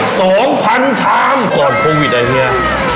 สองพันชามก่อนโควิดอ่ะเฮีย